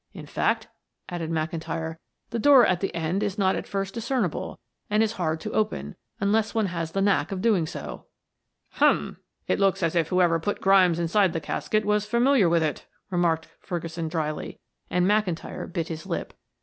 In fact," added McIntyre, "the door at the end is not at first discernible, and is hard to open, unless one has the knack of doing so." "Hum! It looks as if whoever put Grimes inside the casket was familiar with it," remarked Ferguson dryly, and McIntyre bit his lip.